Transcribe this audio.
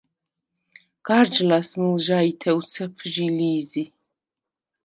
გარჯ ლას მჷლჟაჲთე უცეფ ჟი ლი̄ზი.